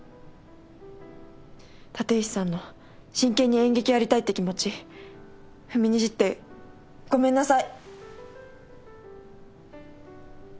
立石さんの真剣に演劇やりたいって気持ち踏みにじってごめんなさい。